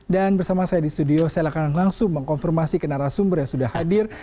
dan bersama saya di studio saya akan langsung mengkonfirmasi kenara sumber yang sudah hadir